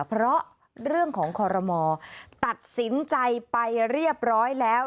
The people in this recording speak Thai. เพราะเรื่องของคอรมอตัดสินใจไปเรียบร้อยแล้ว